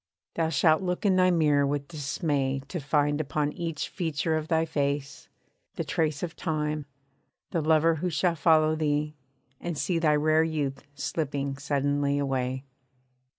Thou shalt look in thy mirror with dismay To find upon each feature of thy face, the trace Of time, the lover who shall follow thee, and see Thy rare youth slipping suddenly away.